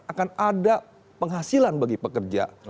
akan ada penghasilan bagi pekerja